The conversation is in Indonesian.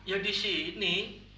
yang di sini